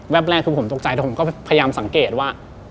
แรกคือผมตกใจแล้วผมก็พยายามสังเกตว่า